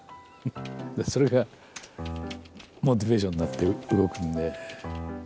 それがモチベーションになって動くんで。